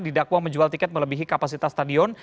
didakwa menjual tiket melebihi kapasitas stadion